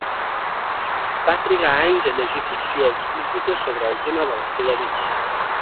Va trigar anys a llegir ficció explícita sobre el tema de la seva vida.